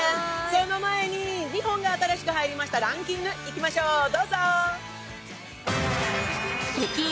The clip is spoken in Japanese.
その前に、２本が新しく入りましたランキングいきましょう。